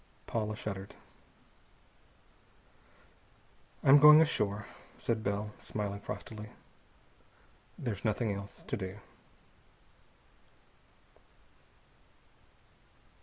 Paula shuddered. "I'm going ashore," said Bell, smiling frostily. "There's nothing else to do."